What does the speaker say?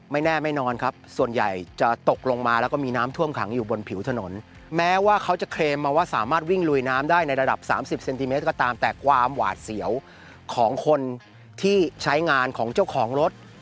ไม่แน่ไม่นอนครับส่วนใหญ่จะตกลงมาแล้วก็มีน้ำท่วมขังอยู่บนผิวถนนแม้ว่าเขาจะเคลมมาว่าสามารถวิ่งลุยน้ำได้ในระดับสามสิบเซนติเมตรก็ตามแต่ความหวาดเสียวของคนที่ใช้งานของเจ้าของรถ